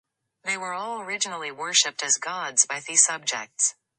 They were all originally worshipped as gods by their subjects.